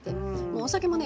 お酒もね